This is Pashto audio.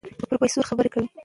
پروفېسر خبرې کوي.